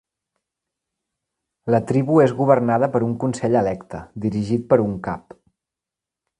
La tribu és governada per un consell electe, dirigit per un cap.